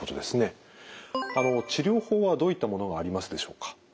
治療法はどういったものがありますでしょうか？